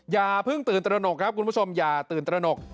อย่าเพิ่งตื่นตระหนกครับคุณผู้ชมอย่าตื่นตระหนก